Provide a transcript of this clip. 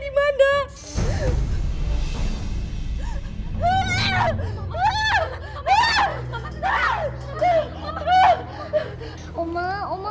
dia pasti kelaperan